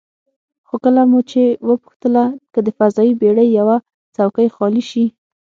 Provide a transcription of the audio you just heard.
خو کله مو چې وپوښتله که د فضايي بېړۍ یوه څوکۍ خالي شي،